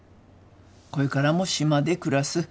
これからも島で暮らす。